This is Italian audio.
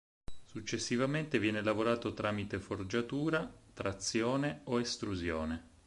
Successivamente viene lavorato tramite forgiatura, trazione o estrusione.